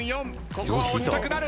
ここは押したくなる。